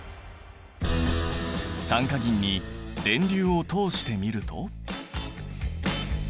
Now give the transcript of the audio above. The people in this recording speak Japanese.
酸化銀に電流を通してみると。